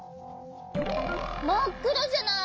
まっくろじゃない。